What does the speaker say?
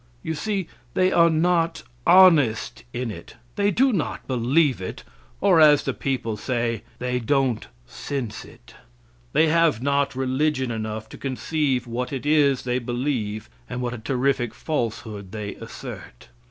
You see they are not honest in it; they do not believe it, or, as the people say, "They don't sense it;" they have not religion enough to conceive what it is they believe and what a terrific falsehood they assert.